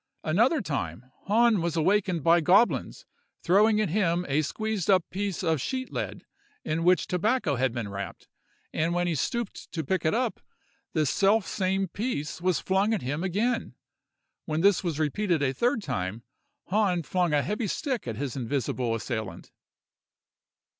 Another time, Hahn was awakened by goblins throwing at him a squeezed up piece of sheet lead in which tobacco had been wrapped, and when he stooped to pick it up, the self same piece was flung at him again. When this was repeated a third time, Hahn flung a heavy stick at his invisible assailant.